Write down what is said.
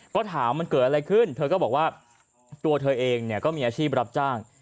ก็ถามมันเกิดอะไรขึ้นเธอก็บอกว่าตัวเธอเองเนี่ยก็มีอาชีพรับจ้าง